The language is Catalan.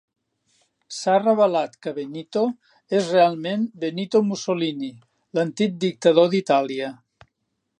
S'ha revelat que Benito és realment Benito Mussolini, l'antic dictador d'Itàlia.